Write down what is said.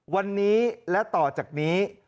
วันนี้และต่อจากนี้